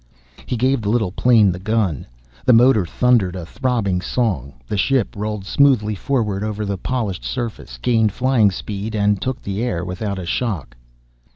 He gave the little plane the gun. The motor thundered a throbbing song; the ship rolled smoothly forward over the polished surface, gained flying speed and took the air without a shock.